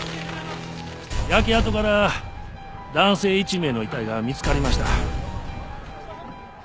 焼け跡から男性１名の遺体が見つかりました。